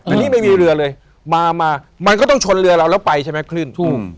อันนี้ไม่มีเรือเลยมามามันก็ต้องชนเรือเราแล้วไปใช่ไหมคลื่นถูก